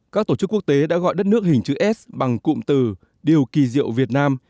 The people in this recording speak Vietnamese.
các tổ chức quốc tế đã gọi đất nước hình chữ s bằng cụm từ điều kỳ diệu việt nam